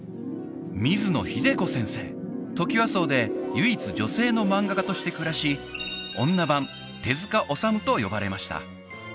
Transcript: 水野英子先生トキワ荘で唯一女性の漫画家として暮らし女版手塚治虫と呼ばれました